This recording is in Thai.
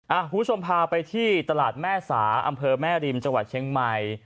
คุณผู้ชมพาไปที่ตลาดแม่สาอำเภอแม่ริมจังหวัดเชียงใหม่